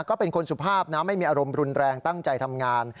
ก็เป็นคนสุภาพนะไม่มีอารมณ์รุนแรงตั้งใจทำงาน